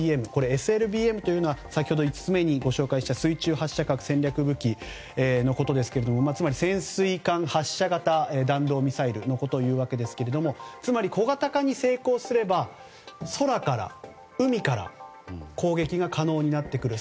これは先ほど５つ目にご紹介した水中発射核戦略武器のことですけれどもつまり潜水艦発射型弾道ミサイルのことをいうわけですがつまり小型化に成功すれば空から、海から攻撃が可能になってくる。